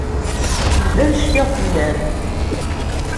Iban cfiɣ fell-am.